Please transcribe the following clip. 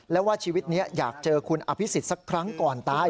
แล้วว่าชีวิตนี้อยากเจอคุณอภิษฎสักครั้งก่อนตาย